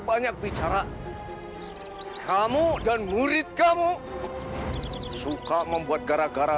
ayah akan membalas perbuatan ini